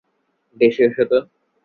দেশে এসো তো।